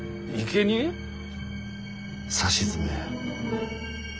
さしずめ。